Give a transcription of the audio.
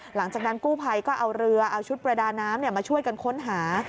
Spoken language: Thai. หลังจากนั้นกู้ภัยก็เอาเรือเอาชุดประดาน้ำมาช่วยกันค้นหา